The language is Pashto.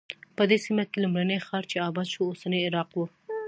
په دې سیمه کې لومړنی ښار چې اباد شو اوسنی عراق و.